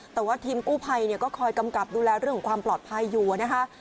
แต่ว่าทีมกู้ภัยก็คอยกำกับดูแลเรื่องของความปลอดภัยอยู่นะคะ